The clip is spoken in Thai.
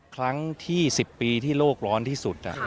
ครั้งที่๑๐ปีที่โลกร้อนที่สุด